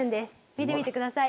見てみて下さい。